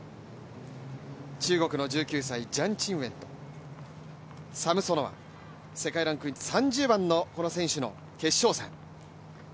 中国の１９歳ジャン・チンウェンとサムソノワ、世界ランク３０番の選手の決勝戦。